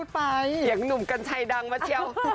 เสียงหนุ่มกัญชัยดังมาเชียว